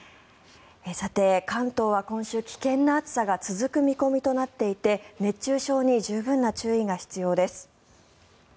関東は今週、危険な暑さが続く見込みとなっていて熱中症に十分な注意が必要です。